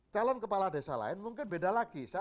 calon kepala desa lain mungkin beda lagi